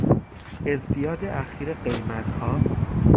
ازدیاد اخیر قیمتها